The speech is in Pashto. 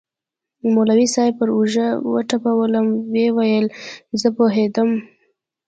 مولوي صاحب پر اوږه وټپولوم ويې ويل زه پوهېدم.